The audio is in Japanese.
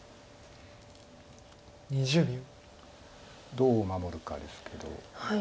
どう守るかですけど。